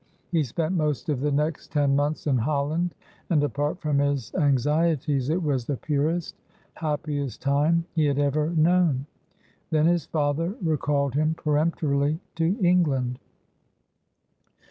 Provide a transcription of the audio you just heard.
He spent most of the next ten months in Holland, and, apart from his anxieties, it was the purest, happiest time he had ever known. Then his father recalled him peremptorily to England.